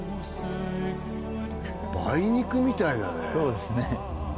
梅肉みたいだね